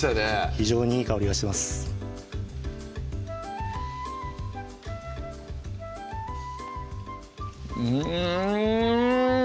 非常にいい香りがしてますうん！